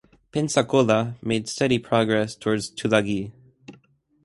"Pensacola" made steady progress toward Tulagi.